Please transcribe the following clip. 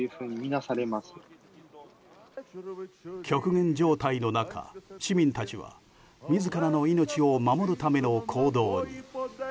極限状態の中、市民たちは自らの命を守るための行動に。